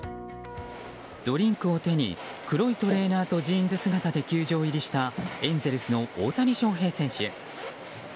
ドリンクを手に黒いトレーナーとジーンズ姿で球場入りしたエンゼルスの大谷翔平選手。